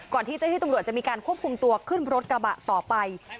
ที่เจ้าที่ตำรวจจะมีการควบคุมตัวขึ้นรถกระบะต่อไป